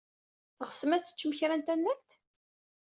Teɣsem ad teččem kra n tanalt?